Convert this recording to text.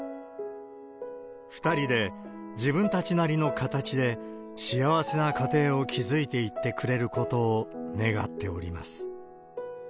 ２人で自分たちなりの形で、幸せな家庭を築いていってくれることを願っております。